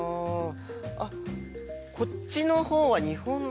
あっこっちの方は日本の絵ですかね？